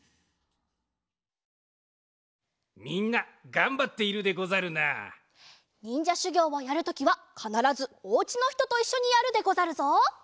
みんながんばっているでござるな。にんじゃしゅぎょうをやるときはかならずお家のひとといっしょにやるでござるぞ。